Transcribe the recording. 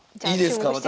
いいですか。